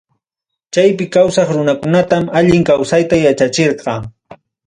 Chaypi kawsaq runakunatam allin kawsayta yachachirqa.